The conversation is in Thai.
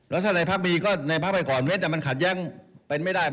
แล้วถ้าในพักดีก็ในพักไปก่อนเม็ดมันขัดแย้งเป็นไม่ได้